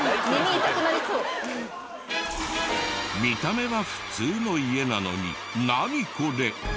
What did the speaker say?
見た目は普通の家なのにナニコレ？